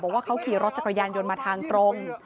ว่าเขาขี่รถจักรยานยนต์มาทางตรง